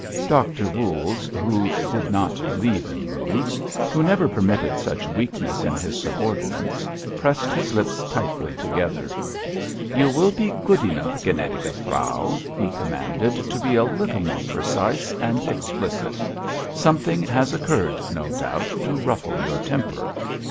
Doctor Voules, who did not believe in moods, who never permitted such weakness in his subordinates, pressed his lips tightly together. "You will be good enough, gnädige Frau," he commanded, "to be a little more precise and explicit. Something has occurred, no doubt, to ruffle your temper."